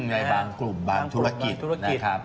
ในบางกลุ่มบางธุรกิจนะครับ